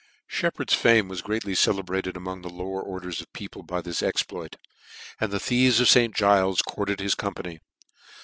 Sheppard's fame was greatly celebrated among the lower orders of people by this exploit ; and the thieves of St. Giles's courted his company.